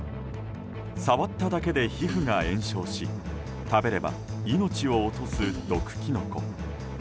触っただけで皮膚が炎症し食べれば命を落とす毒キノコ。